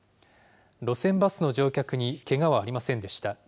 路線バスの乗客にけがはありませんでした。